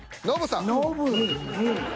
ノブさん。